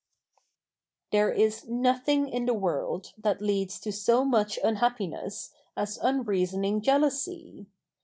There is nothing in the world that leads to so much unhappiness as unreasoning jealousy.